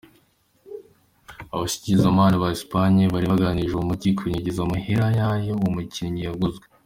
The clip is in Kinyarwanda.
Abashikirizamanza ba Espagne bari bagirije uwo mugwi kunyegeza amahera nyayo uwo mukinyi yaguzwe.